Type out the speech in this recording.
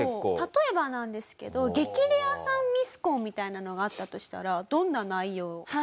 例えばなんですけど「激レアさんミスコン」みたいなのがあったとしたらどんな内容？